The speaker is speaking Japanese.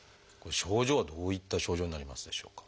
症状はどういった症状になりますでしょうか？